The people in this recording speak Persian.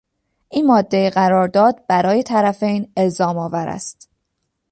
این مادهی قرارداد برای طرفین الزامآور است.